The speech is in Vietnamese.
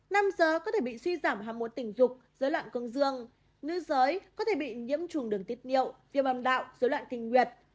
nam giới có thể bị suy giảm ham muốn tình dục dối loạn cương dương nữ giới có thể bị nhiễm trùng đường tuyết niệu tiêu băm đạo dối loạn tình nguyệt